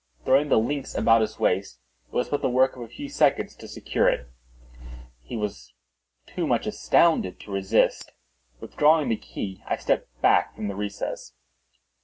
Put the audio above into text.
Throwing the links about his waist, it was but the work of a few seconds to secure it. He was too much astounded to resist. Withdrawing the key I stepped back from the recess.